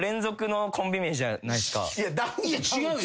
いや違うよ。